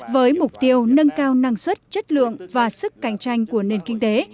với mục tiêu nâng cao năng suất chất lượng và sức cạnh tranh của nền kinh tế